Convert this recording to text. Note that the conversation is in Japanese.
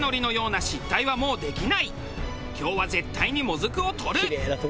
今日は絶対にもずくを獲る！